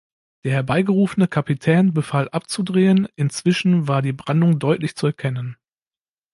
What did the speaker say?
Der herbeigerufene Kapitän befahl abzudrehen, inzwischen war die Brandung deutlich zu erkennen.